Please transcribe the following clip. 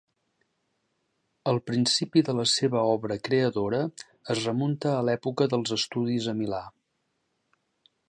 El principi de la seva obra creadora es remunta a l'època dels estudis a Milà.